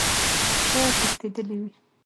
شايد تښتيدلى وي .